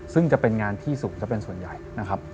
ซึ่งจะเป็นงานที่สูงซะเป็นส่วนใหญ่นะครับ